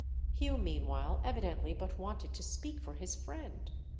Hugh meanwhile evidently but wanted to speak for his friend.